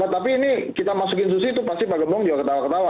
tapi ini kita masukin susi itu pasti pak gembong juga ketawa ketawa